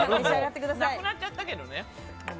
なくなっちゃったけどね。